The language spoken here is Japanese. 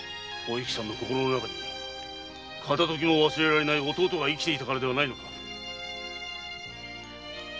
お幸さんの心の中に片ときも忘れられない弟が生きていたからではないのか。